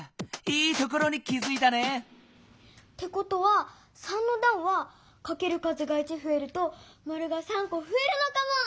いいところに気づいたね！ってことは３のだんはかける数が１ふえるとマルが３こふえるのかも。